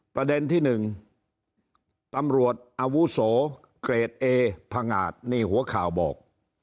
ประเด็นที่๑ตำรวจอาวุโสเกรดเอพงาดนี่หัวข่าวบอก